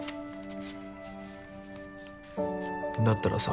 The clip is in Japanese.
だったらさ。